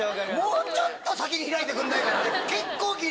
もうちょっと先に開いてくんないかな。